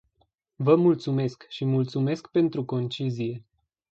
Vă mulțumesc, și mulțumesc pentru concizie.